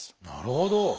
なるほど。